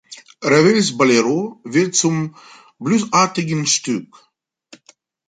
Ravels „Bolero“ wird zum bluesartigen Stück.